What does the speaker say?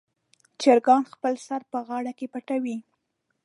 چرګان خپل سر په غاړه کې پټوي.